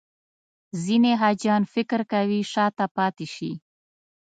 ځینې حاجیان فکر کوي شاته پاتې شي.